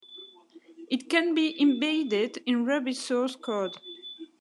It can be embedded in Ruby source code.